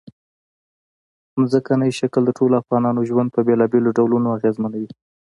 ځمکنی شکل د ټولو افغانانو ژوند په بېلابېلو ډولونو اغېزمنوي.